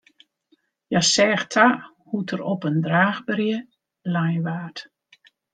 Hja seach ta hoe't er op in draachberje lein waard.